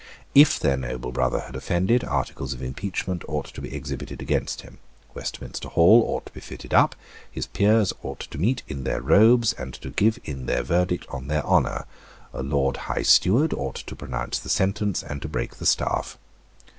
If their noble brother had offended, articles of impeachment ought to be exhibited against him: Westminster Hall ought to be fitted up: his peers ought to meet in their robes, and to give in their verdict on their honour; a Lord High Steward ought to pronounce the sentence and to break the staff.